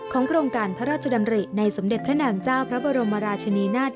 โครงการพระราชดำริในสมเด็จพระนางเจ้าพระบรมราชนีนาฏ